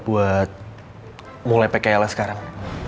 buat mulai pkl nya sekarang